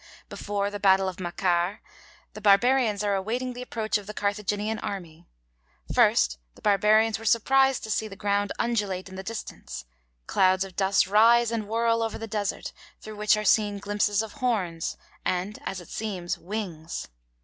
Before the battle of the Macar, the Barbarians are awaiting the approach of the Carthaginian army. First 'the Barbarians were surprised to see the ground undulate in the distance.' Clouds of dust rise and whirl over the desert, through which are seen glimpses of horns, and, as it seems, wings.